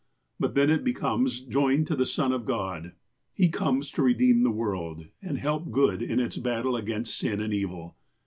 But then it becomes joined to the Son of God. He comes to redeem the world, and help good in its battle against sin and evil.